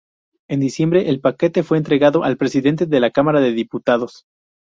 En diciembre el paquete fue entregado al Presidente de la Cámara de Diputados.